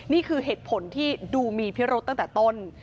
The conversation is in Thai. นี่คือเหตุผลที่ดูมีพิรุษตั้งแต่ต้น